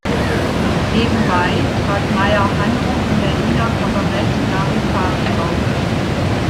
Nebenbei trat Meyer-Hanno im Berliner Kabarett „Larifari“ auf.